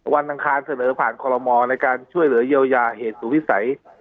อังคารเสนอผ่านคอลโมในการช่วยเหลือเยียวยาเหตุสู่วิสัย